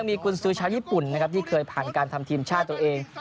มีกุญสือชาวญี่ปุ่นนะครับที่เคยผ่านการทำทีมชาติตัวเอง